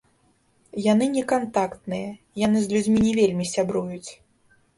Яны не кантактныя, яны з людзьмі не вельмі сябруюць.